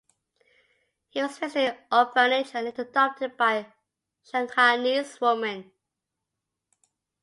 He was raised in an orphanage and later adopted by a Shanghainese woman.